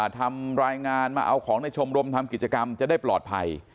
ทำรายงานมาเอาของในชมรมทำกิจกรรมจะได้ปลอดภัย